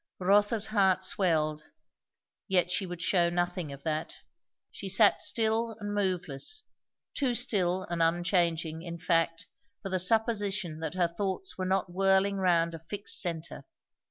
Rotha's heart swelled; yet she would shew nothing of that. She sat still and moveless; too still and unchanging, in fact, for the supposition that her thoughts were not whirling round a fixed centre.